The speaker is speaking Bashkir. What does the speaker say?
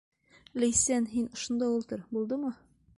Ләйсән, һин ошонда ултыр, булдымы?